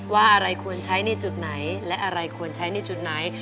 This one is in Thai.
ว่าอะไรควรใช้ในจุดไหนและอะไรควรใช้ในจุดไหน